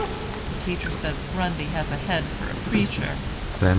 The teacher says Grundy has a head for a preacher.